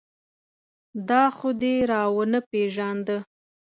دا خو دې را و نه پېژانده.